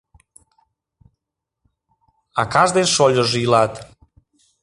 Акаж ден шольыжо илат.